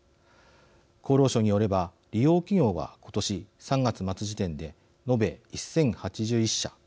厚労省によれば利用企業は今年３月末時点で延べ１０８１社。